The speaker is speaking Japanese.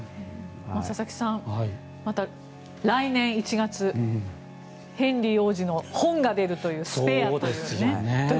佐々木さん、来年１月ヘンリー王子の本が出るという「スペア」という。